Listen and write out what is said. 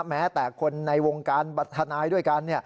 แม้แต่คนในวงการทนายด้วยกัน